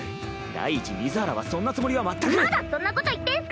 第一水原はそんなつもまだそんなこと言ってんス